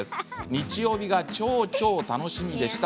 日曜日が楽しみでした。